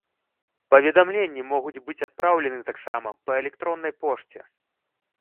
Паведамленні могуць быць адпраўлены таксама па электроннай пошце.